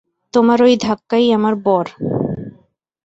তোমার ঐ ধাক্কাই আমার বর।